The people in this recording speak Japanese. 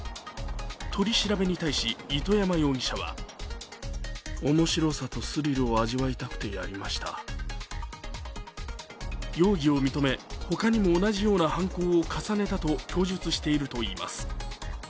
取り調べに対し、糸山容疑者は容疑を認め、ほかにも同じような犯行を重ねたと供述しているといいます。